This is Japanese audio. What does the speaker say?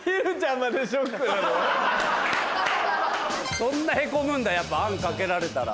そんなヘコむんだあんかけられたら。